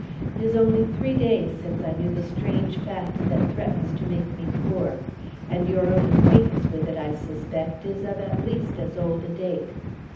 It is only three days since I knew the strange fact that threatens to make me poor; and your own acquaintance with it, I suspect, is of at least as old a date.